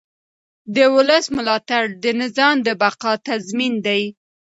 د ولس ملاتړ د نظام د بقا تضمین دی